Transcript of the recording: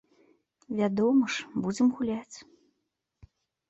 Вядома ж, будзем гуляць.